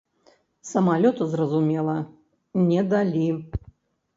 Самалёта, зразумела, не далі.